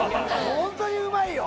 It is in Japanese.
ホントにうまいよ！